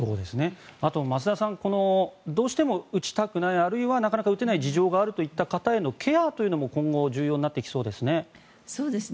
あと増田さんどうしても打ちたくないあるいはなかなか打てない事情がある方へのケアというのも今後、重要になってきそうですね。